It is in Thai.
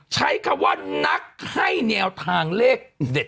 ใช้คำว่านักให้แนวทางเลขเด็ด